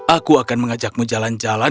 aku akan mengajakmu jalan jalan